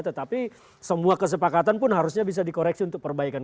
tetapi semua kesepakatan pun harusnya bisa dikoreksi untuk perbaikan